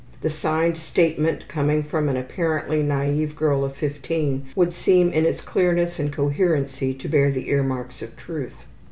The signed statement coming from an apparently naive girl of 15 would seem in its clearness and coherency to bear the earmarks of truth.